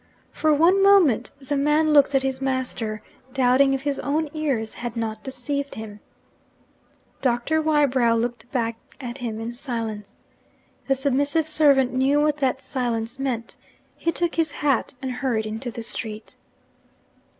For one moment the man looked at his master, doubting if his own ears had not deceived him. Doctor Wybrow looked back at him in silence. The submissive servant knew what that silence meant he took his hat and hurried into the street.